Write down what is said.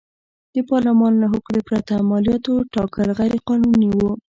د پارلمان له هوکړې پرته مالیاتو ټاکل غیر قانوني و.